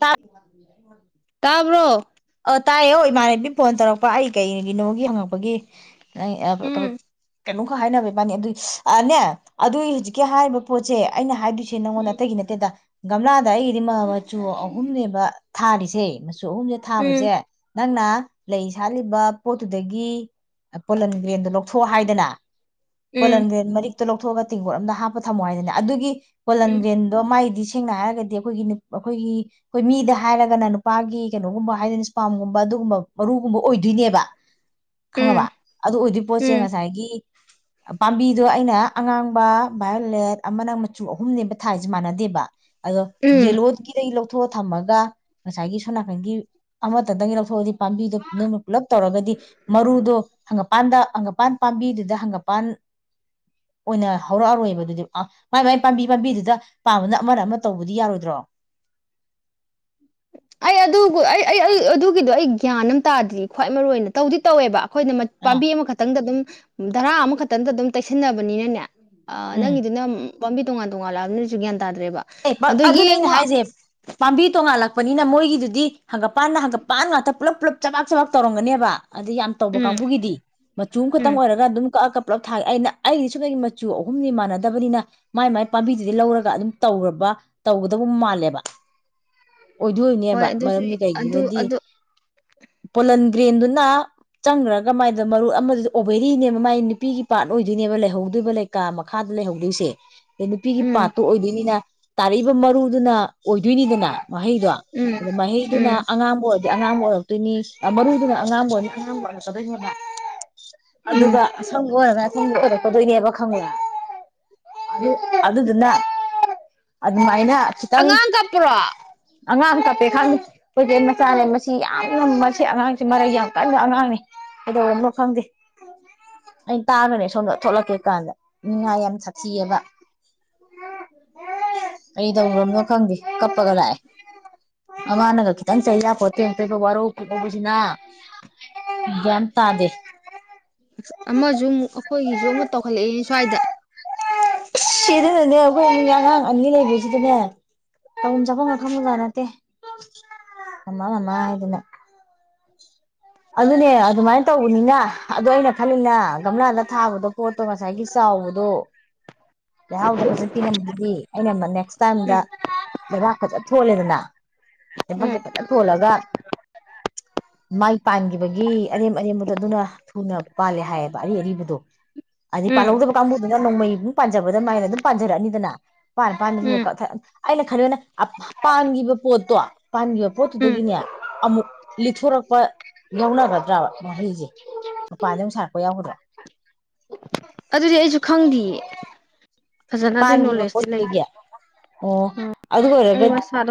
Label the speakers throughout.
Speaker 1: ꯇꯥ
Speaker 2: [inaudible] ꯇꯥꯕ꯭ꯔꯣ
Speaker 1: ꯑꯥ ꯇꯥꯏꯌꯦ ꯑꯣ ꯏꯃꯥꯟꯅꯕꯤ ꯐꯣꯟ ꯇꯧꯔꯛꯄ ꯑꯩ ꯀꯩꯏꯒꯤꯅꯣꯒꯤ ꯍꯪꯉꯛꯄꯒꯤ
Speaker 2: ꯎꯝ
Speaker 1: [unintelligible] ꯀꯩꯅꯣꯝ ꯈ ꯍꯥꯏꯅꯕ ꯏꯕꯥꯅꯤ ꯑꯗꯨꯏ ꯑꯅꯦ ꯑꯗꯨꯏ ꯍꯖꯤꯛꯀꯤ ꯍꯥꯏꯔꯤꯕ ꯄꯣꯠꯁꯦ ꯑꯩꯅ ꯍꯥꯏꯗꯤ ꯁꯤ ꯅꯪꯉꯣꯟ ꯑꯇꯩꯒꯤ ꯅꯠꯇꯦꯗ ꯒꯝꯂꯥꯗ ꯑꯩꯒꯤꯗꯤ ꯃ ꯃꯆꯨ ꯑꯍꯨꯝꯅꯦꯕ ꯊꯥꯔꯤꯁꯦ ꯃꯆꯨ ꯑꯍꯨꯝ
Speaker 2: ꯎꯝ
Speaker 1: ꯊꯥꯕꯁꯦ ꯅꯪꯅ ꯂꯩ ꯁꯥꯠꯂꯤꯕ ꯄꯣꯠꯇꯨꯗꯒꯤ ꯄꯣꯂꯟ ꯒ꯭ꯔꯦꯟꯗꯣ ꯂꯧꯊꯣꯛ ꯑꯣ ꯍꯥꯏꯗꯅ
Speaker 2: ꯎꯝ
Speaker 1: ꯐꯣꯂꯟꯒꯔꯦꯟ ꯃꯔꯤꯛꯇ ꯂꯧ ꯊꯣꯛꯑꯒ ꯇꯦꯡꯒꯣꯠ ꯑꯃꯝꯗ ꯍꯥꯞꯄ ꯊꯝꯃꯣ ꯍꯥꯏꯗꯅ ꯑꯗꯨꯒꯤ
Speaker 2: ꯎꯝ
Speaker 1: ꯀꯣꯂꯟꯗꯔꯦꯟꯗꯣ ꯃꯥꯥꯏ ꯗꯤ ꯁꯦꯡꯅ ꯍꯥꯏꯔꯒꯗꯤ ꯑꯩꯈꯣꯏꯒꯤ ꯑꯩꯈꯣꯏꯒꯤ ꯑꯩꯈꯣꯏ ꯃꯤꯗ ꯍꯥꯏꯔꯒꯅ ꯅꯨꯄꯥꯒꯤ ꯀꯩꯅꯣꯒꯨꯝꯕ ꯍꯥꯏꯗꯤꯅꯁꯄꯥꯝꯒꯨꯝꯕ ꯑꯗꯨꯒꯨꯝꯕ ꯃꯔꯨꯒꯨꯝꯕ ꯑꯣꯏꯗꯣꯏꯅꯦꯕ ꯈꯪꯉꯥꯕ
Speaker 2: ꯎꯝ
Speaker 1: ꯑꯗꯨ ꯑꯣꯏꯗꯣꯏ ꯄꯣꯠꯁꯦ
Speaker 2: ꯎꯝ
Speaker 1: ꯉꯁꯥꯏꯒꯤ ꯄꯥꯝꯕꯤꯗꯣ ꯑꯩꯅ ꯑꯉꯥꯡꯕ ꯚꯥꯏꯌꯣꯂꯦꯠ ꯑꯃꯅ ꯃꯆꯨ ꯑꯍꯨꯝꯅꯦꯕ ꯊꯥꯏꯁꯦ ꯃꯥꯟꯅꯗꯦꯕ ꯑꯗꯣ
Speaker 2: ꯎꯝ
Speaker 1: ꯌꯦꯂꯣꯗꯒꯤ ꯂꯧ ꯊꯣꯛꯑ ꯊꯝꯃꯒ ꯉꯁꯥꯏꯒꯤ ꯁꯣ ꯅꯥꯀꯟꯒꯤ ꯑꯃꯇꯪꯗꯒꯤ ꯂꯧꯊꯣꯛꯑꯗꯤ ꯄꯥꯝꯕꯤꯗꯣ ꯅꯝꯅ ꯄꯨꯂꯞ ꯇꯧꯔꯒꯗꯤ ꯃꯔꯨꯗꯣ ꯍꯪꯒꯄꯥꯟꯗ ꯍꯪꯒꯄꯥꯟ ꯄꯥꯝꯕꯤꯗꯨꯗ ꯍꯪꯒꯄꯥꯟ ꯑꯣꯏꯅ ꯍꯧꯔꯛꯑꯔꯣꯏꯕ ꯑꯗꯨꯗꯤ ꯃꯥꯏ ꯃꯥꯏ ꯄꯥꯝꯕꯤ ꯄꯥꯝꯕꯤꯗꯨꯗ ꯄꯥꯕꯅ ꯑꯃ ꯑꯃ ꯇꯧꯕꯗꯤ ꯌꯥꯔꯣꯏꯗ꯭ꯔꯣ
Speaker 2: ꯑꯩ ꯑꯗꯨ ꯑꯩ ꯑꯗꯨꯒꯤꯗꯣ ꯑꯩ ꯒ꯭ꯌꯥꯟ ꯑꯃ ꯇꯥꯗ꯭ꯗꯤ ꯈ꯭ꯋꯥꯏ ꯃꯔꯨꯏ ꯑꯣꯏꯅ ꯇꯧꯗꯤ ꯇꯧꯋꯦꯕ꯫ ꯑꯩꯈꯣꯏꯅ
Speaker 1: ꯑꯥ
Speaker 2: ꯄꯥꯝꯕꯤ ꯑꯃꯈꯛꯇꯪꯗ ꯑꯗꯨꯝ ꯙꯔꯥ ꯑꯃꯈꯛꯇꯪꯗ ꯑꯗꯨꯝ ꯇꯩꯁꯟꯅꯕꯅꯤꯅꯅꯦ ꯑ ꯅꯪ
Speaker 1: ꯎꯝ
Speaker 2: ꯒꯤꯗꯨ ꯅ ꯄꯝꯕꯤ ꯇꯨꯡꯉꯥꯟ ꯇꯣꯉꯥꯟꯂꯛꯂꯕꯅꯤꯅ
Speaker 1: ꯑꯦ ꯑꯗꯨꯅꯦ ꯑꯩꯅ ꯍꯥꯏꯁꯦ ꯄꯥꯝꯕꯤ ꯇꯣꯡꯉꯥꯜꯂꯛꯄ ꯅꯤꯅ ꯃꯣꯏꯒꯤꯗꯨꯗꯤ ꯍꯪꯒꯄꯥꯟꯗ ꯍꯪꯒꯄꯥꯟ ꯉꯥꯛꯇ ꯄꯨꯂꯞ ꯄꯨꯂꯞ ꯆꯥꯕꯥꯛ ꯆꯕꯥꯛ ꯇꯧꯔꯝꯒꯅꯤꯕ ꯑꯗ ꯌꯥꯝ ꯇꯧꯕ
Speaker 2: ꯎꯝ
Speaker 1: ꯀꯥꯡꯕꯨꯒꯤꯗꯤ ꯃꯆꯨ ꯑꯃ
Speaker 2: ꯎꯝ
Speaker 1: ꯈꯛꯇꯪ ꯑꯣꯏꯔꯒ ꯑꯗꯨꯝ ꯀꯛꯑ ꯀ ꯄꯨꯜꯂꯞ ꯊꯥꯒꯦ ꯑꯩꯅ ꯑꯩꯗꯤ ꯁꯨ ꯀꯩꯒꯤ ꯃꯆꯨ ꯑꯍꯨꯝꯗꯤ ꯃꯥꯟꯅꯗꯕꯅꯤꯅ ꯃꯥꯏ ꯃꯥꯏ ꯄꯥꯝꯕꯤꯗꯨꯗꯤ ꯂꯧꯔꯒ ꯑꯗꯨꯝ ꯇꯧꯔꯕ ꯇꯧꯒꯗꯕ ꯃꯥꯜꯂꯦꯕ
Speaker 2: ꯍꯣꯏ
Speaker 1: ꯑꯣꯏꯗꯣꯏꯅꯦꯕ
Speaker 2: ꯑꯗꯨꯁꯨ
Speaker 1: ꯃꯔꯝꯗꯤ
Speaker 2: ꯑꯗꯨ
Speaker 1: ꯀꯩꯒꯤꯅꯣꯗꯤ
Speaker 2: ꯑꯗꯨ
Speaker 1: ꯄꯣꯂꯟ ꯒ꯭ꯔꯦꯟꯗꯨꯅ ꯆꯪꯈ꯭ꯔꯒ ꯃꯥꯏꯗ ꯃꯔꯨꯞ ꯑꯃꯗ ꯑꯣꯕꯦꯔꯤꯅꯦꯕ ꯃꯥꯏ ꯅꯨꯄꯤꯒꯤ ꯄꯥꯔꯠ ꯑꯣꯏꯗꯣꯏꯅꯦꯕ ꯂꯩꯍꯧꯗꯣꯏꯕ ꯂꯩꯀꯥ ꯃꯈꯥꯗ ꯂꯩꯍꯧꯗꯣꯏꯁꯦ ꯅꯨꯄꯤꯒꯤ
Speaker 2: ꯎꯝ
Speaker 1: ꯄꯥꯠꯇꯣ ꯑꯣꯏꯗꯣꯏꯅꯤꯅ ꯇꯥꯔꯛꯏꯕ ꯃꯔꯨꯗꯨꯅ ꯑꯣꯏꯗꯣꯏꯅꯤꯗꯅ ꯃꯍꯩꯗꯣ
Speaker 2: ꯎꯝ
Speaker 1: ꯑꯗꯨ ꯃꯍꯩꯗꯨꯅ
Speaker 2: ꯎꯝ
Speaker 1: ꯑꯉꯥꯡꯕ ꯑꯣꯏ ꯑꯉꯥꯡꯕ ꯑꯣꯏꯔꯛꯇꯣꯏꯅꯤ ꯃꯔꯨꯗꯨꯅ ꯑꯉꯥꯡꯕ ꯑꯣꯏꯔꯅꯤ ꯑꯉꯥꯡꯕ ꯑꯣꯏꯔꯛꯀꯗꯣꯏꯅꯦꯕ
Speaker 2: ꯎꯝ
Speaker 1: ꯑꯗꯨꯒ ꯑꯁꯪꯕ ꯑꯣꯏꯔꯒꯅ ꯁꯪꯕ ꯑꯣꯏꯔꯛꯀꯗꯧꯕꯅꯦꯕ ꯈꯪꯕ꯭ꯔ ꯑꯗꯨꯗꯨꯅ ꯑꯗꯨ ꯃꯥꯏꯅ ꯈꯤꯇꯪ
Speaker 2: ꯑꯉꯥꯡ ꯀꯞꯄ꯭ꯔꯣ
Speaker 1: ꯑꯉꯥꯡ ꯀꯞꯄꯦ ꯈꯪꯉꯦ ꯑꯩꯈꯣꯏ ꯆꯦꯒꯤ ꯃꯆꯥꯅꯦ ꯃꯁꯤ ꯌꯥꯝꯅ ꯃꯁꯤ ꯑꯉꯥꯡꯁꯤ ꯃꯔꯩ ꯌꯥꯝ ꯀꯟꯕ ꯑꯉꯥꯡꯅꯤ ꯀꯩꯗꯧꯔꯝꯅꯣ ꯈꯪꯗꯦ ꯑꯩꯅ ꯇꯥꯕꯅꯦ ꯁꯣꯝꯗ ꯊꯣꯛꯂꯛꯀꯦ ꯀꯥꯟꯗ ꯅꯤꯡꯉꯥꯏ ꯌꯥꯝ ꯁꯥꯊꯤꯌꯦꯕ ꯀꯩꯗꯧꯔꯕꯅꯣ ꯈꯪꯗꯦ ꯀꯞꯄꯒ ꯂꯥꯛꯑꯦ ꯃꯃꯥꯅꯒ ꯈꯤꯇꯪ ꯆꯩ ꯌꯥꯄꯣꯠ ꯅꯠꯇꯦ ꯋꯥꯔꯧ ꯄꯨꯛꯂꯧꯕꯁꯤꯅ ꯒ꯭ꯌꯥꯟ ꯑꯃ ꯇꯥꯗꯦ
Speaker 2: ꯑꯃꯁꯨ ꯑꯃꯨꯛ ꯑꯩꯈꯣꯏꯒꯤꯁꯨ ꯑꯃꯨꯛ ꯇꯧꯈꯠꯂꯛꯑꯦ ꯁ꯭ꯋꯥꯏꯗ
Speaker 1: ꯁꯤꯔꯅꯤ [unintelligible] ꯑꯉꯥꯡ ꯑꯅꯤ ꯂꯩꯕꯁꯤꯗꯅꯦ ꯇꯧꯐꯝ ꯆꯥꯐꯝ ꯈꯪꯕꯖꯥꯠ ꯅꯠꯇꯦ ꯃꯃꯥ ꯃꯃꯥ ꯍꯥꯏꯗꯅ ꯑꯗꯨꯅꯦ ꯑꯗꯨꯃꯥꯏꯅ ꯇꯧꯕꯅꯤꯅ ꯑꯗꯨ ꯑꯩꯅ ꯈꯜꯂꯤꯅ ꯒꯝꯂꯥꯗ ꯊꯥꯕꯗꯣ ꯄꯣꯠꯇꯣ ꯉꯁꯥꯏꯒꯤ ꯆꯥꯎꯕꯗꯣ ꯂꯩꯍꯥꯎꯗ ꯐꯖꯅ ꯄꯤꯉꯝꯕꯗꯨꯗꯤ ꯑꯩꯅ ꯅꯦꯛꯁ ꯇꯥꯏꯝꯗ
Speaker 2: ꯎꯝ
Speaker 1: ꯂꯩꯕꯥꯛ ꯐꯖꯅ ꯊꯣꯜꯂꯦꯗꯅ
Speaker 2: ꯎꯝ
Speaker 1: ꯂꯩꯕꯛꯁꯦ ꯐꯖꯅ ꯊꯣꯜꯂꯒ ꯃꯥꯏ ꯄꯥꯟꯈꯤꯕꯒꯤ ꯑꯔꯦꯝ ꯑꯔꯦꯝꯕꯗ ꯑꯗꯨꯅ ꯊꯨꯅ ꯄꯥꯜꯂꯦ ꯍꯥꯏꯌꯦꯕ ꯑꯔꯤ ꯑꯔꯤꯕꯗꯣ ꯑꯗꯤ
Speaker 2: ꯎꯝ
Speaker 1: ꯄꯥꯍꯧꯗꯕ ꯀꯥꯡꯕꯨꯗꯨꯅ ꯅꯣꯡꯃꯩ ꯃꯨꯛ ꯄꯖꯕꯗ ꯃꯥꯏꯅ ꯑꯗꯨꯝ ꯄꯥꯟꯖꯔꯛꯑꯅꯤꯗꯅ ꯄꯥꯟ ꯄꯥꯟ
Speaker 2: ꯎꯝ
Speaker 1: ꯀꯛꯊꯠ ꯑꯩꯅ ꯈꯜꯕꯅ ꯑꯐ ꯄꯥꯟꯈꯤꯕ ꯄꯣꯠꯇꯣ ꯄꯥꯟꯈꯤꯕ
Speaker 2: ꯎꯝ
Speaker 1: ꯄꯣꯠꯇꯨꯗꯒꯤꯅꯦ ꯑꯃꯨꯛ ꯂꯤꯠꯊꯣꯔꯛꯄ ꯌꯥꯎꯅꯒꯗ꯭ꯔꯕ ꯃꯍꯩꯁꯦ ꯃꯄꯥꯟꯗ ꯑꯃ ꯁꯥ ꯀ ꯌꯥꯎꯒꯗ꯭ꯔꯣ
Speaker 2: ꯑꯗꯨꯗꯤ ꯑꯩꯁꯨ ꯈꯪꯗꯦꯌꯦ
Speaker 1: ꯄꯥꯟꯈꯤꯕ ꯄꯣꯠꯇꯨꯒꯤ ꯑꯣ ꯑꯗꯨ ꯑꯣꯏꯔꯒ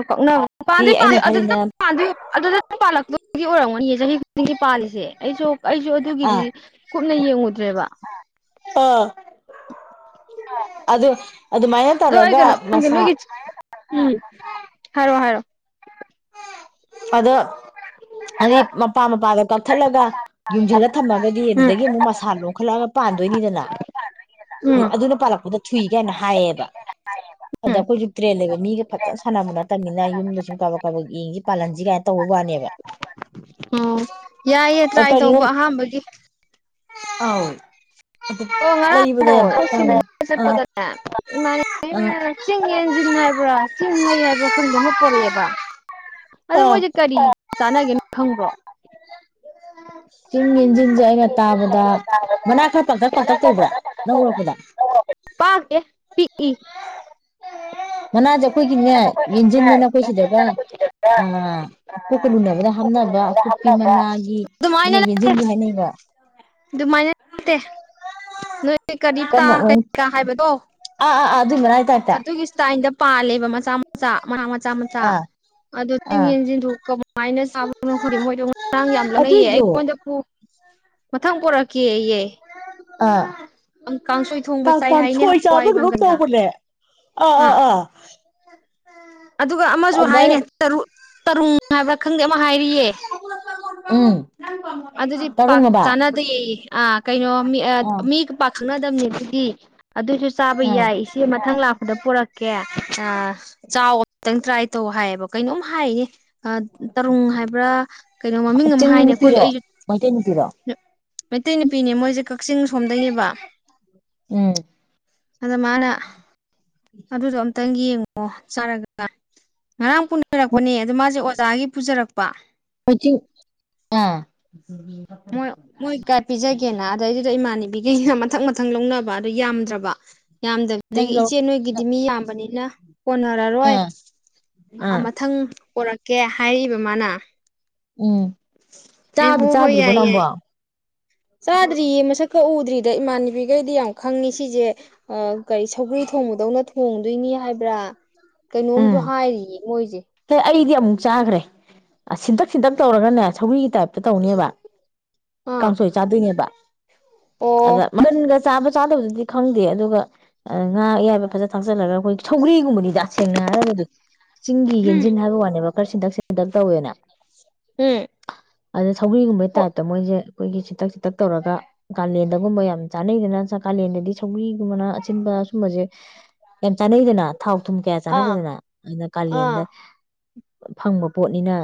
Speaker 2: ꯅ ꯄꯥꯟꯗ ꯄ ꯑꯗꯨꯗꯤ ꯄ ꯑꯗꯨ [unintelligible] ꯅ ꯄꯥꯜꯂꯛꯇꯗꯤ ꯑꯣꯏꯔꯝꯒꯅꯤꯌꯦ ꯆꯍꯤ ꯈꯨꯗꯤꯡꯒꯤ ꯄꯥꯜꯂꯤꯁꯦ ꯑꯩꯁꯨ ꯑꯩꯁꯨ ꯑꯗꯨꯒꯤꯗꯤ
Speaker 1: ꯑꯥ
Speaker 2: ꯀꯨꯞꯅ ꯌꯦꯡꯉꯨꯗ꯭ꯔꯦꯕ
Speaker 1: ꯑꯥ ꯑꯗꯨ ꯑꯗꯨꯃꯥꯏꯅ
Speaker 2: ꯗ
Speaker 1: ꯇꯧꯔꯒ
Speaker 2: ꯑꯩ
Speaker 1: ꯃꯁꯥ
Speaker 2: ꯅꯣꯏꯒꯤ ꯍꯥꯏꯔꯣ ꯍꯥꯏꯔꯣ
Speaker 1: ꯑꯗꯣ ꯑꯗꯤ ꯃꯄꯥ ꯃꯄꯥꯒ ꯀꯛꯊꯠꯂꯒ ꯌꯨꯝꯁꯤꯜꯂ ꯊꯝꯃꯒꯗꯤ
Speaker 2: ꯎꯝ
Speaker 1: ꯑꯗꯨꯗꯒꯤ ꯑꯃꯨꯛ ꯃꯁꯥ ꯂꯣꯟꯈꯠꯂꯛꯑꯒ ꯄꯥꯟꯗꯣꯏꯅꯤꯗꯅ
Speaker 2: ꯎꯝ
Speaker 1: ꯑꯗꯨꯅ ꯄꯥꯜꯂꯛꯄꯗ ꯊꯨꯏ ꯀꯥꯏꯅ ꯍꯥꯏꯌꯦꯕ ꯑꯗ
Speaker 2: ꯎꯝ
Speaker 1: ꯑꯩꯈꯣꯏꯁꯨ ꯇ꯭ꯔꯦꯟ ꯂꯩꯕ ꯃꯤꯒ ꯐꯖꯅ ꯁꯥꯟꯅꯕ ꯅꯠꯇꯕꯅꯤꯅ ꯌꯨꯝꯗ ꯁꯨꯝ ꯀꯕ ꯀꯕ ꯌꯦꯡꯁꯤ ꯄꯥꯂꯟꯁꯤ ꯀꯥꯏꯅ ꯇꯧꯕꯩ ꯋꯥꯅꯦꯕ
Speaker 2: ꯑꯣ ꯌꯥꯏꯌꯦ
Speaker 1: ꯑꯣ
Speaker 2: ꯇ꯭ꯔꯥꯏ
Speaker 1: ꯀꯔꯤꯅꯣ
Speaker 2: ꯇꯧꯕ ꯑꯍꯥꯝꯕꯒꯤ
Speaker 1: ꯑꯥꯎ
Speaker 2: ꯑꯣ
Speaker 1: ꯂꯩꯕꯗ ꯌꯥꯝ ꯇꯥꯡꯉꯦ ꯑꯥ
Speaker 2: ꯉꯔꯥꯡꯗꯣꯄꯗꯅꯦ
Speaker 1: ꯑꯥ
Speaker 2: [unintelligible] ꯆꯤꯡ ꯌꯦꯟꯁꯤꯟ ꯍꯥꯏꯕ꯭ꯔꯥ ꯆꯤꯡ ꯍꯩ ꯍꯥꯏꯕ꯭ꯔꯥ ꯆꯤꯡ ꯈꯪꯗꯦ ꯑꯃ ꯄꯣꯔꯛꯑꯦꯕ ꯑꯗꯣ
Speaker 1: ꯑꯥ
Speaker 2: ꯃꯣꯏꯁꯦ ꯀꯔꯤ ꯆꯥꯟꯅꯒꯦꯅꯣ ꯈꯪꯕ [inaudible]
Speaker 1: [inaudible] ꯆꯤꯡ ꯏꯟꯖꯤꯟ ꯁꯦ ꯑꯩꯅ ꯇꯥꯕꯗ ꯃꯅꯥ ꯈꯔ ꯄꯥꯛꯇꯛ ꯄꯥꯛꯇꯛ [inaudible] ꯇꯧꯕ꯭ꯔꯥ ꯅꯪ ꯎꯔꯛꯄꯗ
Speaker 2: ꯄꯥꯛꯇꯦ ꯄꯤꯛꯏ
Speaker 1: [inaudible] ꯖ [unintelligible] ꯑꯩꯈꯣꯏꯒꯤꯅꯦ ꯌꯦꯟꯖꯤꯟꯑꯅ ꯑꯩꯈꯣꯏ ꯁꯤꯗꯒ ꯑꯥ ꯀꯣꯛꯀ ꯂꯨꯅꯕꯗ ꯍꯥꯞꯅꯕ ꯀ ꯄꯤ ꯃꯅꯥꯒꯤ
Speaker 2: ꯑꯗꯨꯃꯥꯏꯅ ꯅꯠꯇꯦ
Speaker 1: ꯌꯦꯡꯖꯤꯟꯖꯨ ꯍꯥꯏꯅꯩ [unintelligible]
Speaker 2: ꯑꯗꯨꯃꯥꯏꯅ ꯅꯠꯇꯦ ꯅꯣꯏ ꯀꯔꯤꯞꯇꯥ
Speaker 1: ꯀꯃ ꯎ
Speaker 2: ꯀꯩꯀꯥ ꯍꯥꯏꯕꯗꯣ
Speaker 1: [unintelligible] ꯑꯥ ꯑꯥ ꯑꯥ ꯑꯗꯨꯏ ꯃꯅꯥꯏ ꯇꯥꯏꯞꯇ
Speaker 2: ꯑꯗꯨꯒꯤ ꯁꯇꯥꯏꯟꯗ ꯄꯥꯜꯂꯦꯕ ꯃꯆꯥꯥ [unintelligible] ꯃꯆꯥ ꯃꯆꯥ
Speaker 1: ꯑꯥ
Speaker 2: ꯑꯗꯣ ꯆꯡ
Speaker 1: ꯑꯥ
Speaker 2: ꯌꯦꯟꯖꯤꯟꯗꯣ
Speaker 1: ꯑꯗꯨꯗꯣ ꯑꯥ
Speaker 2: [unintelligible] ꯀꯥꯡꯁꯣꯏ ꯊꯣꯡꯕ
Speaker 1: ꯀꯥꯡ
Speaker 2: ꯆꯥꯏ
Speaker 1: ꯀꯥꯡ
Speaker 2: ꯍꯥꯏꯌꯦ
Speaker 1: ꯁꯣꯏ
Speaker 2: ꯍꯋꯥꯏ
Speaker 1: ꯆꯥꯕ꯭ꯔꯥ ꯀꯩꯅꯣꯝ
Speaker 2: ꯃꯡꯒꯟꯒ
Speaker 1: ꯇꯧꯕꯅꯦ ꯑꯥ ꯑꯥ ꯑꯥ
Speaker 2: ꯑꯗꯨꯒ ꯑꯃꯁꯨ
Speaker 1: ꯑꯗꯨꯃꯥꯏꯅ
Speaker 2: ꯍꯥꯏꯅꯦ ꯇꯔꯨꯛ ꯇꯔꯨꯡ ꯍꯥꯏꯕ꯭ꯔꯥ ꯈꯪꯗꯦ ꯑꯃ ꯍꯥꯏꯔꯤꯌꯦ
Speaker 1: [inaudible] ꯎꯝ
Speaker 2: ꯑꯗꯨꯗꯤ ꯄꯥꯛ
Speaker 1: ꯇꯔꯨꯡꯑꯕ
Speaker 2: ꯆꯥꯅꯗꯦ ꯑꯥ ꯀꯩꯅꯣ ꯃꯤ
Speaker 1: ꯑꯥ
Speaker 2: ꯃꯤ ꯄꯥꯛ ꯈꯪꯅꯗꯕꯅꯦꯕ ꯗꯤ ꯑꯗꯨꯏꯁꯨ ꯆꯥꯕ
Speaker 1: ꯑꯥ
Speaker 2: ꯌꯥꯏ ꯏꯆꯦ ꯃꯊꯪ ꯂꯥꯛꯄꯗ ꯄꯨꯔꯛꯀꯦ ꯑꯥ ꯆꯥꯎ ꯈꯤꯇꯪ ꯇ꯭ꯔꯥꯏ ꯇꯧ ꯍꯥꯏꯌꯦꯕ ꯀꯩꯅꯣꯝ ꯍꯥꯏꯔꯤꯅꯦ ꯑ ꯇꯔꯨꯡ ꯍꯥꯏꯕ꯭ꯔꯥ ꯀꯩꯅꯣ ꯃꯃꯤꯡ ꯑꯃ ꯍꯥꯏꯅꯦ ꯑꯩꯈꯣꯏ ꯑꯩꯖꯨ
Speaker 1: ꯃꯩꯇꯩꯅꯨꯄꯤꯔꯣ
Speaker 2: ꯃꯇꯩ ꯅꯨꯄꯤꯅꯦ ꯃꯣꯏꯖꯦ ꯀ ꯀꯥꯛꯆꯤꯡ ꯁꯣꯝꯗꯩꯅꯦꯕ
Speaker 1: ꯎꯝ
Speaker 2: ꯑꯗ ꯃꯥꯅ ꯑꯗꯨꯗꯣ ꯑꯝꯇꯪ ꯌꯦꯡꯉꯨ ꯑꯣ ꯆꯥꯔꯒ ꯉꯔꯥꯡ ꯄꯨꯅꯔꯛꯄꯅꯦ ꯑꯗꯨꯗ ꯃꯥꯁꯦ ꯑꯣꯖꯥꯒꯤ ꯄꯨꯖꯔꯛ
Speaker 1: [inaudible] ꯑꯥ
Speaker 2: ꯃꯣꯏ ꯃꯣꯏ ꯀꯥꯏ ꯄꯤꯖꯒꯦꯅ ꯑꯗꯩꯗꯨꯗ ꯏꯃꯥꯟꯅꯕꯤꯒꯤ ꯃꯊꯪ ꯃꯊꯪ ꯂꯧꯅꯕ ꯑꯗꯨ ꯌꯥꯝꯗ꯭ꯔꯕ
Speaker 1: ꯅꯪ
Speaker 2: ꯌꯥꯝꯗꯕꯗꯒꯤ
Speaker 1: ꯂꯧ
Speaker 2: ꯏꯆꯦ ꯅꯣꯏꯒꯤꯗꯤ ꯃꯤ ꯌꯥꯝꯕꯅꯤꯅ ꯀꯣꯟꯅꯔꯔꯣꯏ
Speaker 1: ꯑꯥ
Speaker 2: ꯃꯊꯪ ꯄꯣꯔꯛ ꯀꯦ ꯍꯥꯏꯔꯤꯕ ꯃꯥꯅ
Speaker 1: ꯎꯝ
Speaker 2: ꯑꯩ
Speaker 1: ꯆꯥꯛ
Speaker 2: ꯍꯣꯏ ꯍꯣꯏ
Speaker 1: ꯆꯥꯗ꯭ꯔꯤꯕꯣ
Speaker 2: ꯌꯥꯏ
Speaker 1: ꯅꯪꯕꯣ
Speaker 2: ꯌꯥꯏ ꯆꯥꯗ꯭ꯔꯤꯌꯦ ꯃꯁꯛꯀꯥ ꯎꯗ꯭ꯔꯤ ꯑꯗ ꯏꯃꯥꯟꯅꯕꯤꯒꯩꯗꯤ ꯌꯥꯝ ꯈꯪꯏ ꯁꯤꯖꯦ ꯑꯥ ꯀꯔꯤ ꯁꯧꯒ꯭ꯔꯤ ꯊꯣꯡꯕꯗꯧꯅ ꯊꯣꯡꯗꯣꯏꯅꯤ ꯍꯥꯏꯕ꯭ꯔꯥ ꯀꯩꯅꯣꯝꯖꯨ ꯍꯥꯏꯔꯤꯌꯦ ꯃꯣꯏꯖꯦ
Speaker 1: ꯏ ꯑꯃꯨꯛ ꯆꯥꯈꯒ꯭ꯔꯦ ꯑ ꯁꯤꯟꯇꯛ ꯁꯤꯟꯇꯛ ꯇꯧꯔꯒꯅꯦ ꯁꯧꯒ꯭ꯔꯤꯒꯤ ꯇꯥꯏꯞꯇ ꯇꯧꯅꯦꯕ
Speaker 2: ꯑꯥ
Speaker 1: ꯀꯥꯡꯁꯣꯏ ꯆꯥꯗꯣꯏꯅꯦꯕ
Speaker 2: ꯑꯣ
Speaker 1: ꯑꯗ ꯃꯅꯝꯒ ꯆꯥꯕ ꯆꯥꯗꯕꯗꯨꯗꯤ ꯈꯪꯗꯦ ꯑꯗꯨꯒ ꯑꯥ ꯉꯥ ꯑꯌꯥꯏꯕ ꯐꯖ ꯊꯥꯛꯆꯜꯂꯒ ꯑꯈꯣꯏ ꯁꯧꯒ꯭ꯔꯤ ꯁꯦꯡꯅ ꯍꯥꯏꯔꯒꯗꯤ ꯆꯤꯡꯒꯤ
Speaker 2: ꯎꯝ
Speaker 1: ꯌꯦꯟꯖꯤꯟ ꯍꯥꯏꯕ ꯋꯥꯅꯦꯕ ꯈꯔ ꯁꯤꯟꯇꯛ ꯁꯤꯟꯗꯛ ꯇꯧꯋꯦꯅ
Speaker 2: ꯎꯝ
Speaker 1: [unintelligible] ꯁꯧꯒ꯭ꯔꯤꯒꯨꯝꯕꯩ ꯇꯥꯏꯞꯇ ꯃꯣꯏꯖꯦ ꯑꯈꯣꯏꯒꯤ ꯁꯤꯇꯛ ꯁꯤꯇꯛ ꯇꯧꯔꯒ ꯀꯥꯂꯦꯟꯗꯒꯨꯝꯕ ꯌꯥꯝ ꯆꯥꯅꯩꯗꯅ ꯀꯥꯂꯦꯟꯗꯗꯤ ꯁꯧꯒ꯭ꯔꯤꯒꯨꯝꯕꯅ ꯑꯆꯤꯟꯕ ꯑꯁꯨꯝꯕꯁꯦ ꯌꯥꯝ ꯆꯥꯅꯩꯗꯅ ꯊꯥꯎ ꯊꯨꯝ
Speaker 2: ꯑꯥ
Speaker 1: ꯆꯅꯗꯦꯗꯅ ꯑꯗꯨꯅ ꯀꯂꯦꯟꯗ
Speaker 2: ꯑꯥ
Speaker 1: ꯐꯪꯕ ꯄꯣꯠꯅꯤꯅ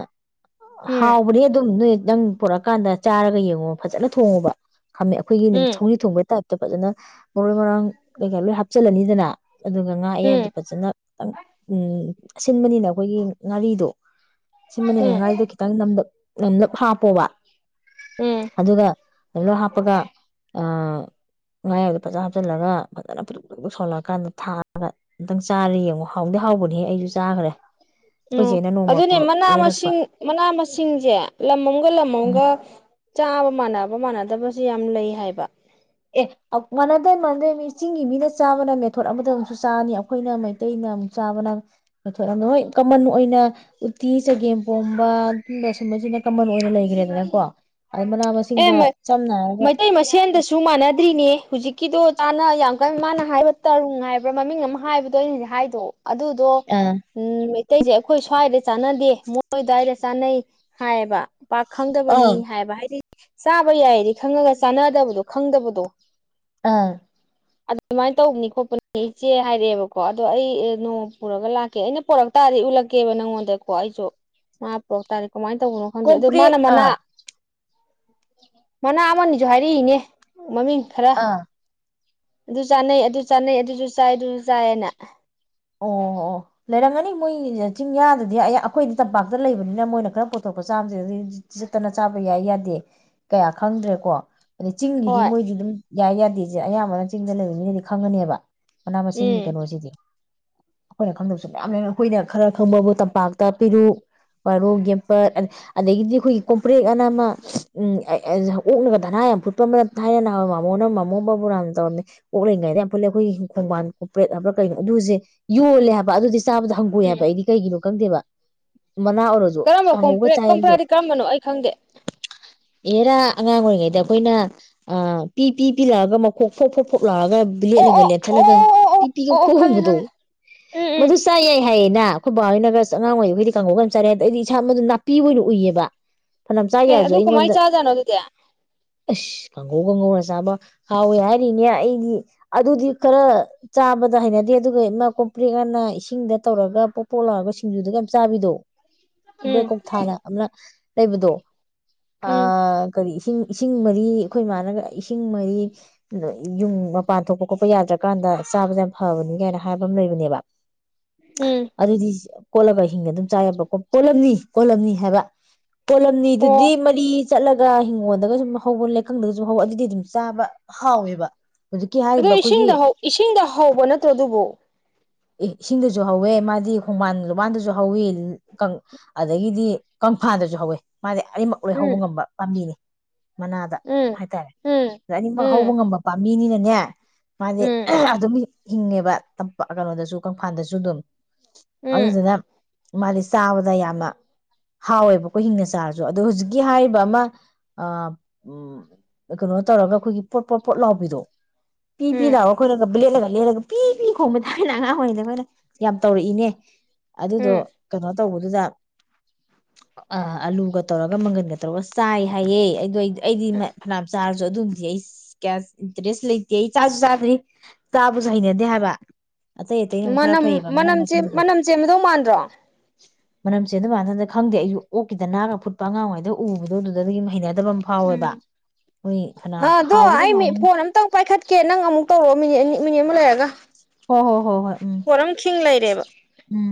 Speaker 1: ꯍꯥꯎ
Speaker 2: ꯎꯝ
Speaker 1: ꯕꯅꯦ ꯑꯗꯨꯝ ꯅꯣꯏ ꯅꯪ ꯄꯨꯔꯛꯑꯀꯥꯟꯗ ꯆꯥꯔꯒ ꯌꯦꯡꯉꯣ ꯐꯖꯅ ꯊꯣꯡꯉꯨꯕ ꯈꯝꯃꯦ ꯑꯈꯣꯏꯒꯤ ꯅꯤꯡ
Speaker 2: ꯎꯝ
Speaker 1: ꯁꯧꯒ꯭ꯔꯤ ꯊꯣꯡꯕꯩꯥ ꯇꯛ ꯇ ꯐꯖꯅ ꯃꯔꯣꯏ ꯃꯔꯥꯡ ꯀꯩꯀꯥ ꯂꯣꯏ ꯍꯥꯞꯆꯤꯜꯂꯅꯤꯗꯅ ꯑꯗꯨꯒ ꯉꯥ ꯑꯌꯥꯏꯕꯗꯣ
Speaker 2: ꯎꯝ
Speaker 1: ꯐꯖꯅ ꯎꯝ ꯑꯁꯤꯟ ꯂꯤꯅ ꯑꯈꯣꯏꯒꯤ ꯉꯥꯔꯤꯗꯣ ꯁꯤꯃꯅꯤꯅ
Speaker 2: ꯎꯝ
Speaker 1: ꯉꯥꯏꯗꯣ ꯈꯤꯇꯪ ꯅꯝꯂꯞ ꯅꯝꯂꯞ ꯍꯥꯥꯄꯣꯕ
Speaker 2: ꯎꯝ
Speaker 1: ꯑꯗꯨꯒ ꯂꯂ ꯍꯥꯞꯄꯒ ꯑꯥ ꯉꯥ ꯌꯥꯏꯕꯗꯣ ꯐꯖ ꯍꯥꯞꯆꯤꯜꯂꯒ ꯐꯖꯅ ꯐꯤꯗꯤꯛ ꯐꯤꯛ ꯁꯧꯍꯜꯂꯛꯑꯀꯥꯟꯗ ꯊꯥꯔꯒ ꯑꯝꯇꯪ ꯆꯥꯔꯥ ꯌꯦꯡꯉꯣ ꯍꯥꯎꯗꯤ ꯍꯥꯎꯕꯅꯦꯍꯦ ꯑꯩꯖꯨ ꯆꯥꯒꯔꯦ
Speaker 2: ꯑꯣ ꯑꯗꯨꯅꯦ ꯃꯅꯥ ꯃꯁꯤꯡ ꯃꯅꯥ ꯃꯁꯤꯡꯖꯦ ꯂꯝ ꯑꯃꯝꯒ ꯂꯝ
Speaker 1: ꯎꯝ
Speaker 2: ꯑꯃꯝꯒ ꯆꯥꯕ ꯃꯥꯟꯅꯕ ꯃꯥꯟꯅꯗꯕꯖꯦ ꯌꯥꯝ ꯂꯩ ꯍꯥꯏꯕ
Speaker 1: ꯑꯦ ꯃꯥꯟꯅꯗꯦ ꯃꯥꯟꯅꯗꯦ ꯃꯤ ꯆꯤꯡꯒꯤ ꯃꯤꯅ ꯆꯥꯕꯅ ꯃꯦꯊꯣꯠ ꯑꯃꯗ ꯑꯃꯨꯛꯁꯨ ꯆꯥꯅꯤ ꯑꯈꯣꯏꯅ ꯃꯩꯇꯩꯅ ꯑꯃꯨꯛ ꯆꯥꯕꯅ ꯃꯦꯊꯣꯠ ꯑꯃꯗ ꯍꯣꯏ ꯀꯃꯟ ꯑꯣꯏꯅ ꯎꯇꯤ ꯆꯒꯦꯝꯄꯣꯝꯕ ꯑꯗꯨꯝꯕ ꯁꯨꯝꯕꯁꯤꯅ ꯀꯃꯟ ꯑꯣꯏꯅ ꯂꯩꯒ꯭ꯔꯦꯗꯅꯀꯣ ꯑꯩ ꯃꯅꯥ
Speaker 2: ꯑꯦ
Speaker 1: ꯃꯁꯤꯡꯗ ꯆꯝꯅ ꯍꯥꯏꯔꯒ
Speaker 2: ꯇ꯭ꯔꯤꯅꯦ ꯍꯧꯖꯤꯛꯀꯤꯗꯣ ꯇꯥꯅ ꯌꯥꯝ ꯀꯟꯅ ꯃꯥꯅ ꯍꯥꯏꯕ ꯇꯔꯨꯡ ꯍꯥꯏꯕ꯭ꯔꯥ ꯃꯃꯤꯡ ꯑꯃ ꯍꯥꯏꯕꯗꯣ ꯑꯩꯅ ꯍꯧꯖꯤꯛ ꯍꯥꯏꯗꯣ ꯑꯗꯨꯗꯣ
Speaker 1: ꯑꯥ
Speaker 2: ꯎꯝ ꯃꯩꯇꯩꯁꯦ ꯑꯩꯈꯣꯏ ꯁ꯭ꯋꯥꯏꯗ ꯆꯥꯟꯅꯗꯦ ꯃꯣꯏ ꯗꯥꯏꯗ ꯆꯥꯅꯩ ꯍꯥꯏꯌꯦꯕ ꯄꯥꯛ
Speaker 1: ꯑꯥ
Speaker 2: ꯈꯪꯗꯕꯅꯤ ꯍꯥꯏꯕ ꯍꯥꯏꯗꯤ ꯆꯥꯕ ꯌꯥꯏꯗꯤ ꯈꯪꯉꯒ ꯆꯥꯅꯗꯕꯗꯣ ꯈꯪꯗꯕꯗꯣ
Speaker 1: ꯑꯥ
Speaker 2: ꯑꯗꯨꯃꯥꯏꯅ ꯇꯧꯕꯅꯤ ꯈꯣꯠꯄꯅꯤ ꯏꯆꯦ ꯍꯥꯏꯔꯛꯑꯦꯕꯀꯣ ꯑꯗꯣ ꯑꯩ ꯅꯣꯡꯃ ꯄꯨꯔꯒ ꯂꯥꯛꯀꯦ ꯑꯩꯅ ꯄꯣꯔꯛ ꯇꯥꯔꯗꯤ ꯎꯠꯂꯛꯀꯦꯕ ꯅꯪꯉꯣꯟꯗꯀꯣ ꯑꯩꯁꯨ ꯃꯥ ꯄꯣꯔꯛ ꯇꯔꯤ ꯀꯃꯥꯏꯅ ꯇꯧꯕꯅꯣ ꯈꯪꯗꯦ ꯑꯗꯨ
Speaker 1: ꯀꯣꯝꯄ꯭ꯔꯦꯛ
Speaker 2: ꯃꯥꯅ ꯃꯅꯥ
Speaker 1: ꯑꯥ
Speaker 2: ꯃꯅꯥ ꯑꯃꯅꯤꯁꯨ ꯍꯥꯏꯔꯛꯏꯅꯦ ꯃꯃꯤꯡ ꯈꯔꯥ
Speaker 1: ꯑꯥ
Speaker 2: ꯑꯗꯨ ꯆꯥꯅꯩ ꯑꯗꯨ ꯆꯥꯅꯩ ꯑꯗꯨꯁꯨ ꯆꯥꯏ ꯑꯗꯨꯁꯨ ꯆꯥꯏꯌꯦꯅ
Speaker 1: ꯑꯣ ꯑꯣ ꯑꯣ ꯂꯩꯔꯝꯒꯅꯤ ꯃꯣꯏ ꯆꯤꯡꯌꯥꯗꯗꯤ ꯑꯌꯥ ꯑꯩꯈꯣꯏꯗꯤ ꯇꯝꯄꯥꯛꯇ ꯂꯩꯕꯅꯤꯅ ꯃꯣꯏꯅ ꯈꯔ ꯄꯣꯊꯣꯛꯄ ꯆꯥꯕꯁꯤꯅꯗꯤ ꯆꯇꯅ ꯆꯥꯕ ꯌꯥꯏ ꯌꯥꯗꯦ ꯀꯌꯥ ꯈꯪꯗ꯭ꯔꯦꯀꯣ ꯆꯤꯡꯒꯤꯗꯤ
Speaker 2: ꯍꯣꯏ
Speaker 1: ꯃꯣꯏꯗꯤ ꯑꯗꯨꯝ ꯌꯥꯏ ꯌꯥ ꯗꯤꯁꯦ ꯑꯌꯥꯝꯕꯅ ꯆꯤꯡꯗ ꯂꯩꯕ ꯃꯤꯅꯗꯤ ꯈꯪꯒꯅꯦꯕ ꯃꯅꯥ ꯃꯁꯤꯡꯒꯤ
Speaker 2: ꯎꯝ
Speaker 1: ꯀꯩꯅꯣꯁꯤꯗꯤ ꯑꯩꯈꯣꯏꯅ ꯈꯪꯗꯕꯁꯨ ꯃꯌꯥꯝ ꯂꯩ ꯑꯩꯈꯣꯏꯅ ꯈꯔ ꯈꯪꯕꯕꯨ ꯇꯝꯄꯥꯛꯇ ꯄꯦꯔꯨꯛ, [unintelligible] ꯌꯦꯝꯄꯠ ꯑꯗꯒꯤꯗꯤ ꯑꯩꯈꯣꯏꯅ ꯀꯣꯝꯄ꯭ꯔꯦꯛ ꯑꯅ ꯑꯃ ꯎꯪ ꯑꯣꯛꯅꯒ ꯙꯅꯥ ꯌꯥꯝ ꯐꯨꯠꯄ ꯑꯃꯅ ꯊꯥꯏꯅ ꯅꯍꯥꯟꯋꯥꯏ ꯃꯥꯝꯃꯣꯅ ꯃꯥꯝꯃꯣ ꯕꯕꯨꯔꯥꯝꯅ ꯇꯧꯔꯝꯃꯦ ꯑꯣꯛ ꯂꯩꯔꯤꯉꯩꯗ ꯌꯥꯝ ꯐꯨꯠꯂꯦ ꯑꯩꯈꯣꯏꯒꯤ ꯈꯣꯡꯕꯥꯟ ꯀꯣꯝꯄ꯭ꯔꯦꯛ ꯍꯥꯏꯕ꯭ꯔꯥ ꯀꯩꯅꯣ ꯑꯗꯨꯖꯦ ꯌꯣꯜꯂꯦ ꯍꯥꯏꯕ ꯑꯗꯨꯗꯤ ꯆꯥꯕꯗ ꯍꯪꯒꯣꯏ
Speaker 2: ꯎꯝ
Speaker 1: ꯍꯥꯏꯕ ꯑꯩꯗꯤ ꯀꯩꯒꯤꯅꯣ ꯈꯪꯗꯦꯕ ꯃꯅꯥ ꯑꯣꯏꯔꯁꯨ
Speaker 2: ꯀꯔꯝꯕ
Speaker 1: ꯀꯥꯡꯉꯧꯒ
Speaker 2: ꯀꯣꯝꯄ꯭ꯔꯦꯛ
Speaker 1: ꯆꯥꯏ
Speaker 2: ꯀꯣꯝꯄ꯭ꯔꯦꯛ
Speaker 1: ꯑꯗꯣ
Speaker 2: ꯍꯥꯏꯗꯤ ꯀꯔꯝꯕꯅꯣ ꯑꯩ ꯈꯪꯗꯦ
Speaker 1: ꯑꯦꯔꯥ ꯑꯉꯥꯡ ꯑꯣꯏꯔꯤꯉꯩꯗ ꯑꯩꯈꯣꯏꯅ ꯑꯥ ꯄꯤ ꯄꯤ ꯄꯤ ꯂꯥꯎꯔꯒ ꯃꯈꯣꯛ ꯐꯣꯛ ꯐꯣꯛ ꯐꯣꯛ [unintelligible] ꯂꯥꯎꯔ
Speaker 2: ꯑꯣ
Speaker 1: ꯕ꯭ꯂꯦꯠꯅꯒ
Speaker 2: ꯑꯣ ꯑꯣ
Speaker 1: ꯂꯦꯟꯊꯠꯂꯒ
Speaker 2: ꯑꯣ ꯑꯣ
Speaker 1: ꯄꯤꯄꯤꯒ
Speaker 2: ꯑꯣ ꯑꯣ ꯈꯪꯉꯦ
Speaker 1: ꯈꯣꯡꯕꯗꯣ
Speaker 2: ꯈꯪꯉꯦ ꯎꯝ ꯎꯝ
Speaker 1: ꯃꯗꯨ ꯆꯥ ꯌꯥꯏ ꯍꯥꯏ ꯌꯦꯅ ꯑꯩꯈꯣꯏ ꯕꯥ ꯍꯣꯏꯅꯒ ꯑꯁ ꯑꯉꯥꯡ ꯑꯣꯏꯔꯤꯉꯩꯗ ꯀꯥꯡꯒꯧꯒ ꯌꯥꯝ ꯆꯔꯛꯑꯦ ꯑꯗꯣ ꯑꯩꯗꯤ ꯁꯥꯝꯕꯗꯨ ꯅꯥꯄꯤ ꯑꯣꯏꯅ ꯎꯏꯌꯦꯕ ꯐꯅꯌꯥꯝ ꯆꯥ
Speaker 2: ꯑꯦ
Speaker 1: ꯌꯥꯔꯁꯨ
Speaker 2: ꯑꯗꯨ ꯀꯃꯥꯏꯅ ꯆꯥꯖꯥꯠꯅꯣ ꯑꯗꯨꯗꯤ
Speaker 1: ꯏꯁ ꯀꯥꯡꯒꯧꯒ ꯉꯧꯔꯥ ꯆꯥꯕ ꯍꯥꯎꯋꯦ ꯍꯥꯏꯅꯤꯅꯦ ꯑꯩꯗꯤ ꯑꯗꯨꯗꯤ ꯈꯔ ꯆꯥꯕꯗ ꯍꯩꯅꯗꯦ ꯑꯗꯨꯒ ꯑꯃ ꯀꯣꯝꯄ꯭ꯔꯦꯛ ꯑꯅ ꯏꯁꯤꯡꯗ ꯇꯧꯔꯒ ꯄꯣ ꯄꯣꯛ ꯂꯥꯎꯔꯒ ꯁꯤꯡꯖꯨꯗꯒ ꯌꯥꯝ ꯆꯥꯕꯤꯗꯣ
Speaker 2: ꯎꯝ
Speaker 1: [unintelligible] ꯂꯩꯕꯗꯣ
Speaker 2: ꯎꯝ
Speaker 1: ꯑꯥ ꯀꯔꯤ ꯏꯁꯤꯡ ꯃꯔꯤ ꯑꯩꯈꯣꯏ ꯃꯥꯅꯒ ꯏꯁꯤꯡ ꯃꯔꯤ ꯌꯨꯡ ꯃꯄꯥꯟ ꯊꯣꯛꯄ ꯈꯣꯠꯄ ꯌꯥꯗ꯭ꯔꯀꯥꯟꯗ ꯆꯥꯕꯁꯦ ꯌꯥꯝ ꯐꯕꯅꯤ ꯀꯥꯏꯅ ꯍꯥꯏ [unintelligible] ꯂ ꯩꯕꯅꯦꯕ
Speaker 2: ꯎꯝ
Speaker 1: [inaudible] ꯑꯗꯨꯗꯤ [unintelligible] ꯀꯣꯠꯂꯒ ꯍꯤꯡꯅ ꯑꯗꯨꯝ ꯆꯥ ꯌꯥꯕ ꯀꯣꯜꯂꯝꯅꯤ ꯀꯣꯜꯂꯝꯅꯤ ꯍꯥꯏꯕ ꯀꯣꯂꯝꯅꯤꯗꯨꯗꯤ
Speaker 2: ꯑꯣ
Speaker 1: ꯃꯔꯤ ꯆꯠꯂꯒ ꯍꯤꯡꯒꯣꯜꯗꯒ ꯁꯨꯝ ꯍꯧꯕ ꯂꯩꯀꯪꯗꯒꯁꯨ ꯍꯧꯕ ꯑꯗꯨꯗꯤ ꯑꯗꯨꯝ ꯆꯥꯕ ꯍꯥꯎꯋꯦꯕ ꯍꯧꯖꯤꯛꯀꯤ
Speaker 2: ꯑꯗꯨ
Speaker 1: ꯍꯥꯏꯔꯤꯕ ꯑꯩꯈꯣꯏꯒꯤ
Speaker 2: ꯏꯁꯤꯡꯗ ꯍꯧ ꯏꯁꯤꯡꯗ ꯍꯧꯕ ꯅꯠꯇ꯭ꯔꯣ ꯑꯗꯨꯕꯨ
Speaker 1: ꯑꯦ ꯏꯁꯤꯡꯗꯁꯨ ꯍꯧꯋꯦ ꯃꯥꯗꯤ ꯈꯣꯡꯕꯥꯟ ꯂꯨꯕꯥꯟꯗꯁꯨ ꯍꯧꯋꯤ ꯀꯪ ꯑꯗꯒꯤꯗꯤ ꯀꯪꯐꯥꯟꯗꯁꯨ ꯍꯧꯋꯦ ꯃꯥ ꯑꯅꯤꯃꯛ
Speaker 2: ꯎꯝ
Speaker 1: ꯂꯣꯏꯍꯧꯕ ꯉꯝꯕ ꯄꯥꯝꯕꯤꯅꯤ ꯃꯅꯥꯗ
Speaker 2: ꯎꯝ
Speaker 1: ꯍꯥꯏꯇꯥꯔꯦ
Speaker 2: ꯎꯝ
Speaker 1: ꯑꯗ ꯑꯅꯤꯃꯛ ꯍꯧꯕ
Speaker 2: ꯎꯝ
Speaker 1: ꯉꯝꯕ ꯄꯥꯝ ꯃꯤꯅꯤꯅꯅꯦ ꯃꯥꯅꯦ
Speaker 2: ꯎꯝ
Speaker 1: ꯑꯍ ꯑꯗꯨ ꯃꯤ ꯍꯤꯡꯉꯦꯕ ꯕ ꯀꯩꯅꯣꯗꯁꯨ ꯀꯪꯐꯥꯟꯗꯁꯨ ꯑꯗꯨꯝ
Speaker 2: ꯎꯝ
Speaker 1: ꯑꯗꯨꯗꯨꯅ ꯃꯥꯗꯤ ꯆꯥꯕꯗ ꯌꯥꯝꯅ ꯍꯥꯎꯋꯦꯕꯀꯣ ꯍꯤꯡꯅ ꯆꯥꯔꯁꯨ ꯑꯗꯨꯣ ꯍꯨꯖꯤꯛꯀꯤ ꯍꯥꯏꯔꯤꯕ ꯑꯥ ꯑꯝ ꯀꯩꯅꯣ ꯇꯧꯔꯒ ꯑꯩꯈꯣꯏꯒꯤ ꯄꯣꯠ ꯄꯣꯠ ꯄꯣꯠ ꯂꯥꯎꯕꯤꯗꯣ ꯄꯤ ꯄꯤ
Speaker 2: ꯎꯝ
Speaker 1: ꯂꯥꯎꯈꯣꯏꯅ ꯕ꯭ꯂꯦ ꯅ ꯌꯥꯅꯨ ꯄꯤ ꯄꯤ ꯈꯣꯡꯕ ꯇꯥꯕꯅ ꯑꯉꯥꯡ ꯑꯣꯏꯔꯤꯩꯗ ꯃꯣꯏꯅ ꯌꯥꯝ ꯇꯧꯔꯛꯏꯅꯦ ꯑꯗꯨꯗꯣ
Speaker 2: ꯎꯝ
Speaker 1: ꯀꯩꯅꯣ ꯇꯧꯕꯗꯨꯗ ꯑꯥ ꯑꯥꯂꯨꯒ ꯇꯧꯔꯒ ꯃꯪꯒꯟꯒ ꯇꯧꯔꯒ ꯆꯥꯏ ꯍꯥꯏꯌꯦ ꯑꯩꯗꯣ ꯑꯩ ꯑꯩꯗꯤ ꯃꯥꯢ ꯐꯅꯥꯞ ꯆꯥꯔ ꯑꯗꯨꯝꯗꯤ ꯑꯩ ꯀꯌꯥ ꯏꯟꯇꯔꯦꯁ ꯂꯩꯇꯦ ꯑꯩ ꯆꯥꯁꯨ ꯆꯥꯗꯅꯤ ꯆꯥꯕꯁꯨ ꯍꯩꯅꯗꯦ ꯍꯥꯏꯕ ꯑꯇꯩ ꯑꯇꯩꯅ ꯑꯃꯨꯛ ꯈꯔ
Speaker 2: ꯃꯅꯝ
Speaker 1: ꯐꯩꯌꯦꯕ ꯃꯅꯥ
Speaker 2: ꯃꯅꯝ ꯆꯦ ꯃꯅꯝ ꯆꯦꯟꯕꯗꯧ ꯃꯥꯟꯗ꯭ꯔꯣ
Speaker 1: ꯃꯅꯝꯆꯦ ꯑꯗꯨꯃꯥꯏꯅꯗꯨꯅ ꯈꯪꯗꯦ ꯑꯩꯁꯨ ꯑꯣꯛꯀꯤꯗ ꯗꯥꯅꯥꯒ ꯐꯨꯠꯄ ꯑꯉꯥꯡ ꯑꯣꯏꯉꯩꯗ ꯎꯕꯗꯧꯗꯨꯗꯒꯤ ꯗꯨꯃ ꯍꯩꯅ
Speaker 2: ꯎꯝ ꯑꯗꯣ
Speaker 1: ꯍꯥꯎꯕꯗꯤ
Speaker 2: ꯑꯩ ꯃꯤ
Speaker 1: ꯍꯥꯎꯕꯅꯤ
Speaker 2: ꯐꯣꯟ ꯑꯝꯇꯪ ꯄꯥꯏꯈꯠꯀꯦ ꯅꯪ ꯑꯃꯨꯛ ꯇꯧꯔꯛꯑꯣ ꯃꯤꯅꯤꯠ ꯑꯅꯤ ꯃꯤꯅꯠ ꯑꯃ ꯂꯔꯒ
Speaker 1: ꯍꯣꯏ ꯍꯣꯏ ꯍꯣ ꯍꯣꯏ ꯎꯝ
Speaker 2: ꯄꯣꯔꯝ ꯈꯤꯡ ꯂꯩꯔꯦꯕ
Speaker 1: ꯎꯝ